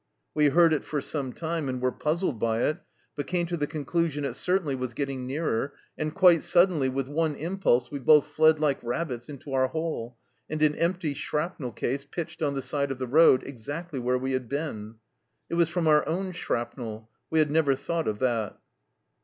We heard it for some time, and were puzzled by it, but came to the conclusion it cer tainly was getting nearer, and quite suddenly, with one impulse, we both fled like rabbits into our hole, and an empty shrapnel case pitched on the side of the road exactly where we had been. It was from our own shrapnel. We had never thought of that."